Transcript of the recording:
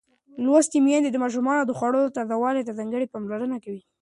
لوستې میندې د ماشومانو د خوړو تازه والي ته ځانګړې پاملرنه کوي.